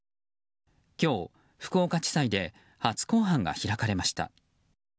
今日、福岡地裁で初公判が開かれました。